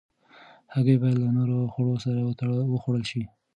هګۍ باید له نورو خوړو سره وخوړل شي.